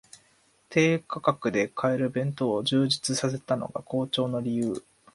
低価格で買える弁当を充実させたのが好調の理由